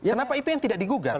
kenapa itu yang tidak digugat